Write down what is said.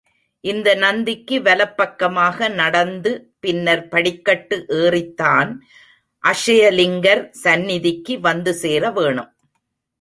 இந்த நந்திக்கு வலப் பக்கமாக நடந்து பின்னர் படிக்கட்டு ஏறித்தான் அக்ஷயலிங்கர் சந்நிதிக்கு வந்து சேர வேணும்.